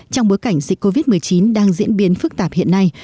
trong bối cảnh dịch covid một mươi chín đang diễn biến phức tạp hiện nay